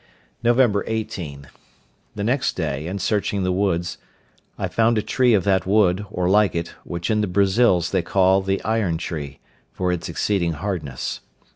Nov. 18.—The next day, in searching the woods, I found a tree of that wood, or like it, which in the Brazils they call the iron tree, for its exceeding hardness.